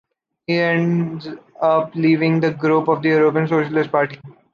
He ends up leaving the group of the European Socialist Party.